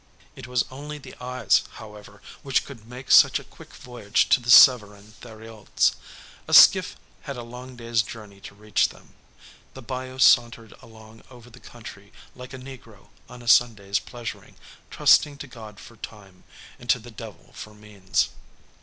It was only the eyes, however, which could make such a quick voyage to the Zévérin Theriots; a skiff had a long day's journey to reach them. The bayou sauntered along over the country like a negro on a Sunday's pleasuring, trusting to God for time, and to the devil for means.